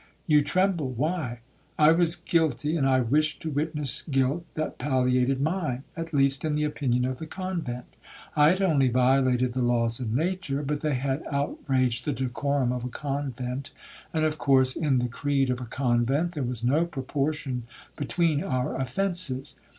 You tremble,—why? I was guilty, and I wished to witness guilt that palliated mine, at least in the opinion of the convent. I had only violated the laws of nature, but they had outraged the decorum of a convent, and, of course, in the creed of a convent, there was no proportion between our offences.